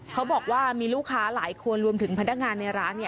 เขาบอกว่ามีลูกค้าหลายคนรวมถึงพนักงานในร้าน